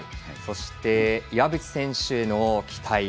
そして、岩渕選手への期待